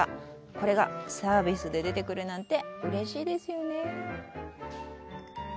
これがサービスで出てくるなんてうれしいですよね。